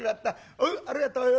おうありがとうよ。